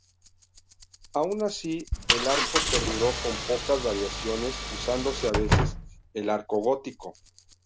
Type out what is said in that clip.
Aun así el arco perduró con pocas variaciones, usándose a veces el arco gótico.